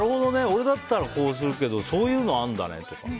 俺だったらこうするけどそういうのあんだね、とか。